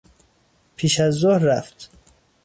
پیش از ظهر رفت.